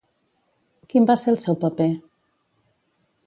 Quin va ser el seu paper?